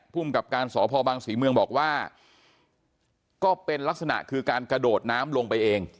ภูมิกับการสพบังศรีเมืองบอกว่าก็เป็นลักษณะคือการกระโดดน้ำลงไปเอง